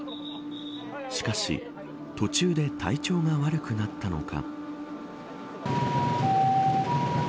しかし途中で体調が悪くなったのか。